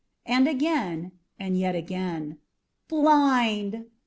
and again, and yet again, "Blind!"